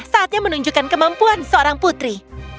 saatnya menunjukkan kemampuan seorang putri